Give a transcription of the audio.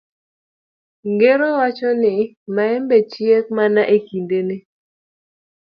Ngero wacho ni maembe chiek mana e kindene.